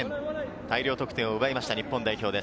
大量得点を奪いました日本代表です。